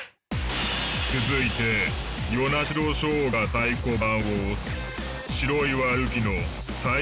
続いて與那城奨が太鼓判を押す。